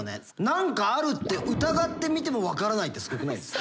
「何かある！」って疑って見ても分からないってスゴくないですか？